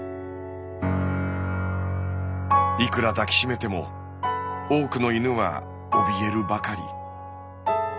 いくら抱きしめても多くの犬はおびえるばかり。